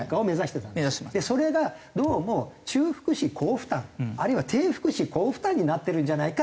それがどうも中福祉高負担あるいは低福祉高負担になってるんじゃないか？